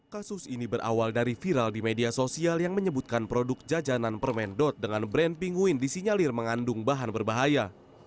kasus ini berawal dari viral di media sosial yang menyebutkan produk jajanan permen dot dengan brand pingguin disinyalir mengandung bahan berbahaya